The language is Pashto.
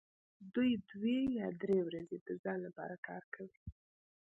دوی دوې یا درې ورځې د ځان لپاره کار کوي